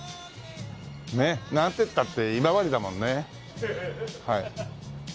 ねっなんてったって今治だもんね。